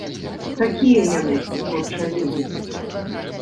Такія яны, творчыя людзі.